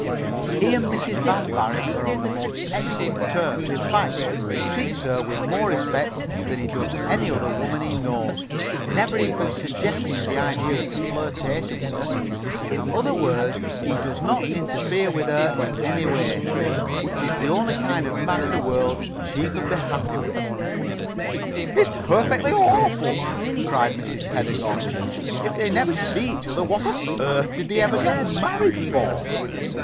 He and Mrs. Van Varick are on the most excellent terms; in fact, he treats her with more respect than he does any other woman he knows, never even suggesting the idea of a flirtation with her. In other words, he does not interfere with her in any way, which is the only kind of man in the world she could be happy with." "It's perfectly awful!" cried Mrs. Pedagog. "If they never see each other, what on earth did they ever get married for?"